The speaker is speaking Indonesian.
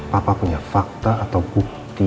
papa punya fakta atau bukti